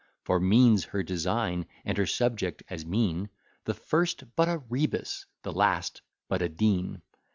For mean's her design, and her subject as mean, The first but a rebus, the last but a dean.